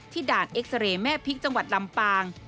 ด่านเอ็กซาเรย์แม่พริกจังหวัดลำปาง